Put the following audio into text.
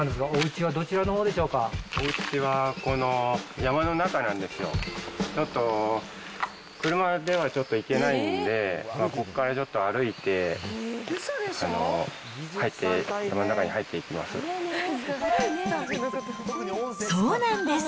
ちょっと車ではちょっと行けないんで、ここからちょっと歩いて、入って、山の中に入っていきます。